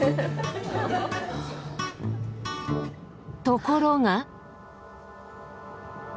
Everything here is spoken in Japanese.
ところが。